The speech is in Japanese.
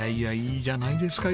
いいじゃないですか。